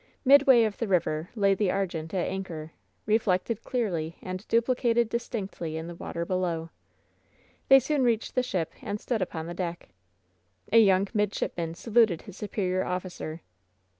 Midway of the river lay the Argente at anchor, reflected clearly and duplicated dis^ tinctly in the water below. They soon reached the ship and stood upon the deck. A young midshipman saluted his superior officer.